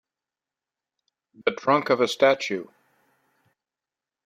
The trunk of a statue.